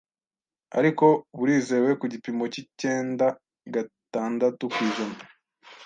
ariko burizewe ku gipimo cy’icyenda gatandatu kw’ijana